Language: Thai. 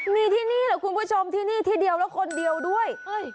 มีที่นี่แหละคุณผู้ชมที่นี่ที่เดียวแล้วคนเดียวด้วย